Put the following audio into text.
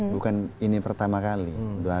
bukan ini pertama kali